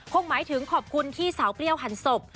หมายถึงขอบคุณที่สาวเปรี้ยวหันศพ